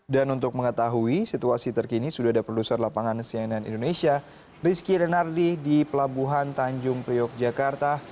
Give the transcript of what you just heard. dan untuk mengetahui situasi terkini sudah ada produser lapangan siayanan indonesia rizky renardi di pelabuhan tanjung priok jakarta